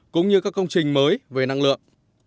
cũng như các công trình mới về năng lượng